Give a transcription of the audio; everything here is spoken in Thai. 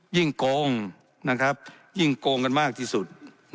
โกงยิ่งโกงกันมากที่สุด